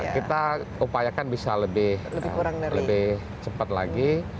kita upayakan bisa lebih cepat lagi